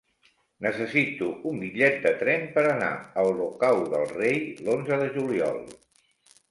Necessito un bitllet de tren per anar a Olocau del Rei l'onze de juliol.